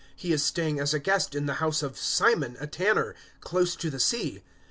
He is staying as a guest in the house of Simon, a tanner, close to the sea.'